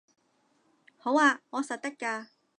好吖，我實得㗎